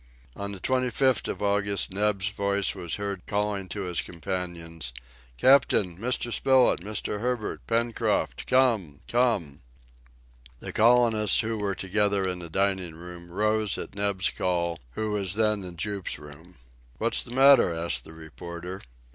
On the 25th of August Neb's voice was heard calling to his companions. "Captain, Mr. Spilett, Mr. Herbert, Pencroft, come! come!" The colonists, who were together in the dining room, rose at Neb's call, who was then in Jup's room. "What's the matter?" asked the reporter.